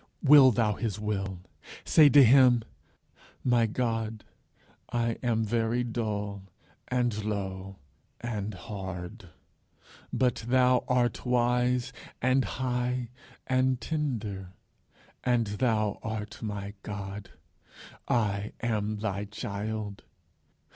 Will thou his will. Say to him: "My God, I am very dull and low and hard; but thou art wise and high and tender, and thou art my God. I am thy child.